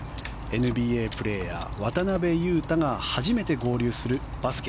ＮＢＡプレーヤー渡邊雄太が初めて合流するバスケ